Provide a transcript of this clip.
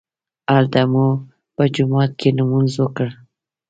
هلته مو په جومات کې لمونځ وکړ.